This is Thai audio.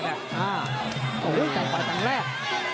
ใกล้ไปกันแรก